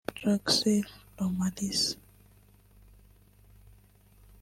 Joyce Lomalisa